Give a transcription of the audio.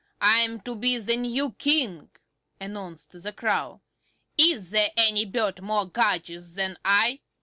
I am to be the new King," announced the Crow. "Is there any bird more gorgeous than I?"